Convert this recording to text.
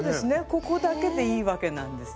ここだけでいいわけなんですね。